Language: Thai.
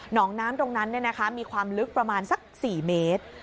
หนองน้ำตรงนั้นเนี่ยนะคะมีความลึกประมาณสัก๔เมตร